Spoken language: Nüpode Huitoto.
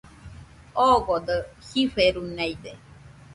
Ogodo jiferunaide